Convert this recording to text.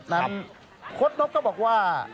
นั้นโค้ดนบก็บอกว่า